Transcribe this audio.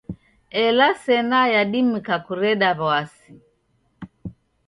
Ela sena yadimika kureda w'asi.